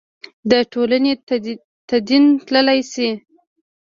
د ټولنې تدین تللای شي.